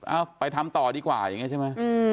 เอาไปทำต่อดีกว่าอย่างนี้ใช่ไหม